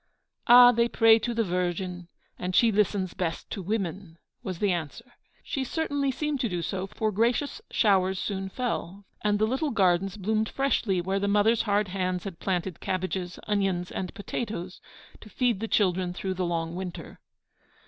'Ah! they pray to the Virgin, and she listens best to women,' was the answer. She certainly seemed to do so, for gracious showers soon fell, and the little gardens bloomed freshly where the mothers' hard hands had planted cabbages, onions, and potatoes to feed the children through the long winter.